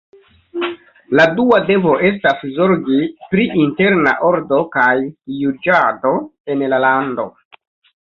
La dua devo estas zorgi pri interna ordo kaj juĝado en la lando.